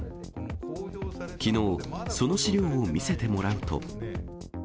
きのう、その資料を見せてもらうと。